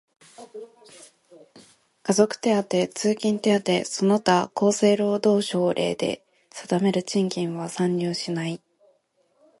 家族手当、通勤手当その他厚生労働省令で定める賃金は算入しない。